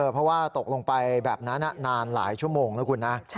เพราะว่าตกลงไปแบบนั้นนานหลายชั่วโมงนะคุณนะ